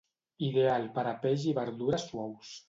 Ideal per a peix i verdures suaus.